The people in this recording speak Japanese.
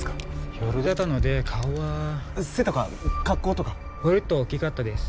夜だったので顔は背とか格好とか割と大きかったです